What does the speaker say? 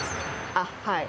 あっはい。